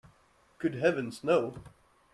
Good heavens, no.